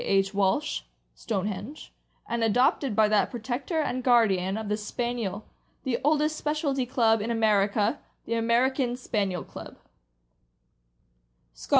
H. Walsh (" Stonehenge "), and adopted by that protector and guardian of the Spaniel — the oldest specialty club in America — the American Spaniel Club: Value.